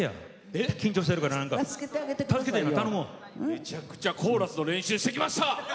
めちゃくちゃコーラスの練習してきました。